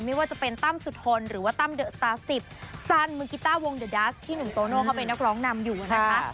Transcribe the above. ไม่ว่าจะเป็นตั้มสุธนหรือว่าตั้มเดอะสตาร์๑๐ซันมือกิต้าวงเดอร์ดัสที่หนุ่มโตโน่เขาเป็นนักร้องนำอยู่นะคะ